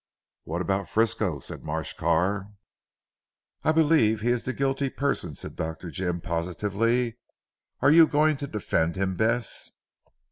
"What about Frisco?" said Marsh Carr. "I believe he is the guilty person," said Dr. Jim positively, "are you going to defend him, Bess?"